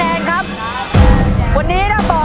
๓แนวเจียวจริง